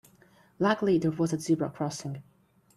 Luckily there was a zebra crossing.